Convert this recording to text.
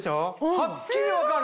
はっきり分かる！